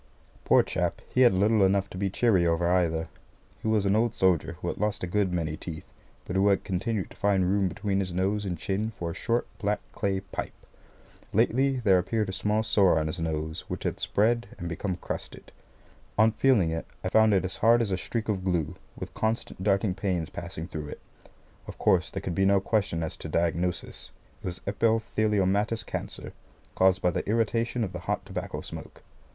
Poor chap, he had little enough to be cheery over either. He was an old soldier who had lost a good many teeth, but who had continued to find room between his nose and chin for a short black clay pipe. Lately there appeared a small sore on his nose which had spread, and become crusted. On feeling it I found it as hard as a streak of glue, with constant darting pains passing through it. Of course, there could be no question as to diagnosis. It was epitheliomatous cancer, caused by the irritation of the hot tobacco smoke.